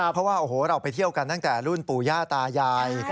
เพราะว่าโอ้โหเราไปเที่ยวกันตั้งแต่รุ่นปู่ย่าตายาย